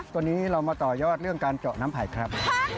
ตัวนี้เรามาต่อยอดเรื่องการเจาะน้ำไผ่ครับ